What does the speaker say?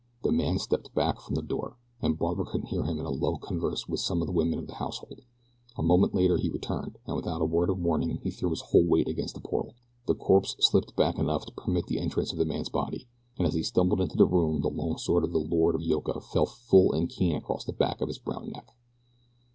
The man stepped back from the door, and Barbara could hear him in low converse with some of the women of the household. A moment later he returned, and without a word of warning threw his whole weight against the portal. The corpse slipped back enough to permit the entrance of the man's body, and as he stumbled into the room the long sword of the Lord of Yoka fell full and keen across the back of his brown neck.